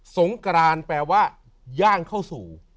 สงกรานแปลว่าย่างเข้าสู่